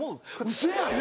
ウソやん！